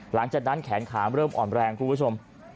หลังจากนั้นแขนขาเริ่มอ่อนแรงคุณผู้ชม